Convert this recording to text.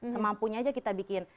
semampunya aja kita bikin